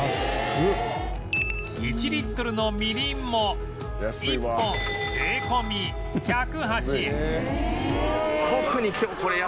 １リットルのみりんも１本税込１０８円